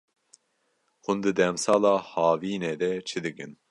Hûn di demsala havinê de çi dikin?